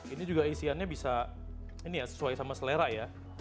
ini juga isiannya bisa ini ya sesuai sama selera ya